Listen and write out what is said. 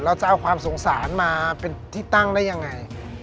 เราจะเอาความสงสารมาเป็นที่ตั้งได้ยังไง